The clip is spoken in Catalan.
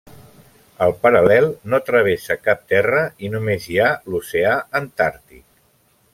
El paral·lel no travessa cap terra i només hi ha l'Oceà Antàrtic.